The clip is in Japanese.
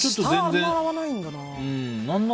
下あんまり洗わないんだな。